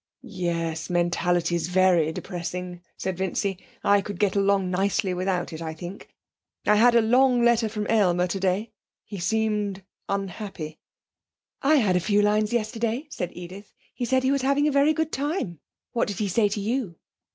'Yes, mentality's very depressing,' said Vincy. 'I could get along nicely without it, I think.... I had a long letter from Aylmer today. He seemed unhappy.' 'I had a few lines yesterday,' said Edith. 'He said he was having a very good time. What did he say to you?'